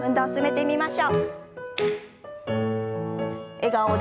笑顔で。